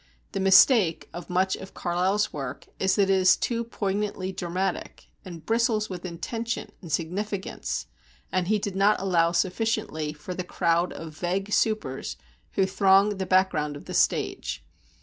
The mistake of much of Carlyle's work is that it is too poignantly dramatic, and bristles with intention and significance; and he did not allow sufficiently for the crowd of vague supers who throng the background of the stage.